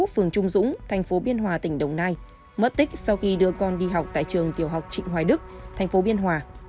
phường trung dũng thành phố biên hòa tỉnh đồng nai mất tích sau khi đưa con đi học tại trường tiểu học trịnh hoài đức thành phố biên hòa